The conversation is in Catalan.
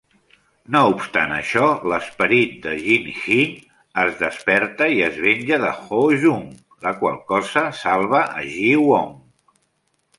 No obstant això, l'esperit de Jin-hee es desperta i es venja de Ho-jung, la qual cosa salva a Ji-won.